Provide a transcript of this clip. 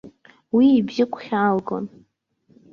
Уи ибжьы гәхьаалгон.